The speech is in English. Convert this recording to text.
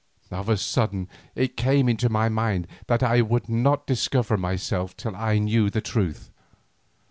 Of a sudden it came into my mind that I would not discover myself till I knew the truth.